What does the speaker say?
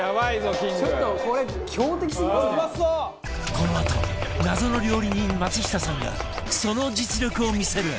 このあと謎の料理人松下さんがその実力を見せる